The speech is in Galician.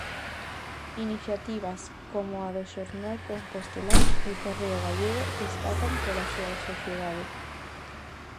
Iniciativas como a do xornal compostelán "El Correo Gallego" destacan pola súa soidade.